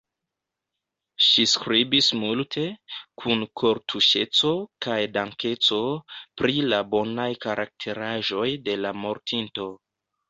Ŝi skribis multe, kun kortuŝeco kaj dankeco, pri la bonaj karakteraĵoj de la mortinto.